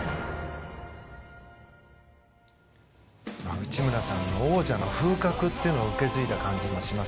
内村さんの王者の風格っていうのを受け継いだ感じもします。